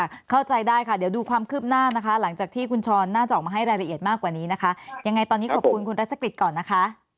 เข้าใจได้ค่ะเดี๋ยวดูความคืบหน้านะคะหลังจากที่คุณช้อนน่าจะออกมาให้รายละเอียดมากกว่านี้นะคะยังไงตอนนี้ขอบคุณคุณรัชกฤษก่อนนะคะ